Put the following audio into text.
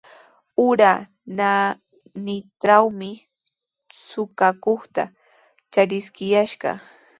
Ura naanitrawmi suqakuqta chariskiyashqa.